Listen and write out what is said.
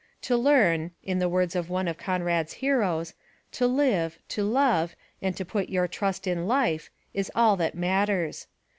To learn, in the words of one of Conrad's heroes, to live, to love and to put your trust in life is all that matters.